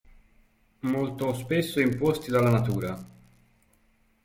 Molto spesso imposti dalla natura.